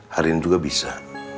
hari ini juga bisa